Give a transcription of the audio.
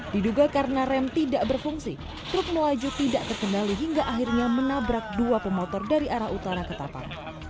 diduga karena rem tidak berfungsi truk melaju tidak terkendali hingga akhirnya menabrak dua pemotor dari arah utara ketapang